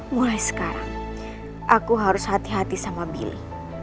mulai sekarang aku harus hati hati sama billy